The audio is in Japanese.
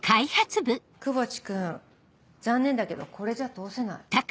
窪地君残念だけどこれじゃ通せない。